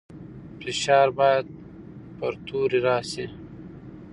فشار باید پر توري راسي.